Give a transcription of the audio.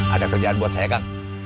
ada kerjaan buat saya kang